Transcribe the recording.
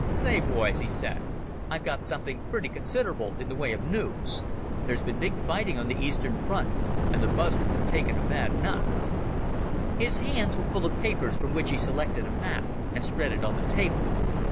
"Say, boys," he said, "I've got something pretty considerable in the way of noos. There's been big fighting on the Eastern border, and the Buzzards have taken a bad knock." His hands were full of papers, from which he selected a map and spread it on the table.